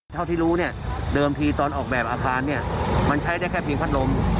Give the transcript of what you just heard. เท่าที่รู้เนี่ยเดิมทีตอนออกแบบอาคารเนี่ยมันใช้ได้แค่เพียงพัดลม